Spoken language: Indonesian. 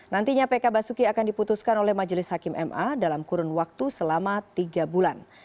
nantinya pk basuki akan diputuskan oleh majelis hakim ma dalam kurun waktu selama tiga bulan